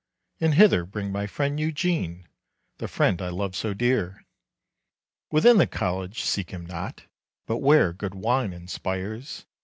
And hither bring my friend Eugene, The friend I love so dear. "Within the college seek him not, But where good wine inspires.